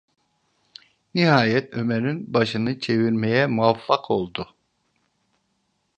Nihayet Ömer’in başını çevirmeye muvaffak oldu.